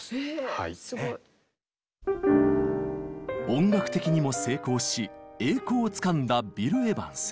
音楽的にも成功し栄光をつかんだビル・エヴァンス。